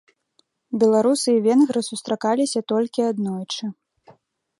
Беларусы і венгры сустракаліся толькі аднойчы.